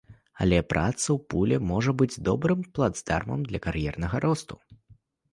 Але праца ў пуле можа быць добрым плацдармам для кар'ернага росту.